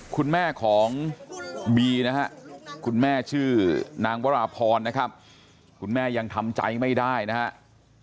คุณแม่ของบีนะฮะคุณแม่ชื่อนางวราพรนะครับคุณแม่ยังทำใจไม่ได้นะครับ